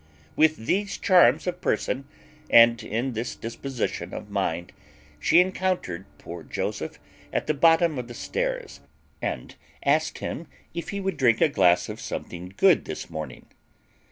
With these charms of person, and in this disposition of mind, she encountered poor Joseph at the bottom of the stairs, and asked him if he would drink a glass of something good this morning.